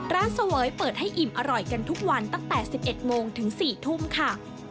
เสวยเปิดให้อิ่มอร่อยกันทุกวันตั้งแต่๑๑โมงถึง๔ทุ่มค่ะ